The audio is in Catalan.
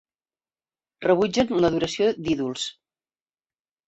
Rebutgen l'adoració d'ídols.